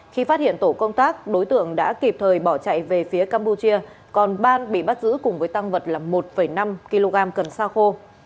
khi phát hiện tổ công tác đối tượng đã kịp thời bỏ chạy về phía campuchia còn ban bị bắt giữ cùng với tăng vật là một năm kg cần xa khô